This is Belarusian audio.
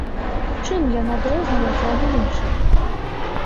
Чым ён адрозніваецца ад іншых?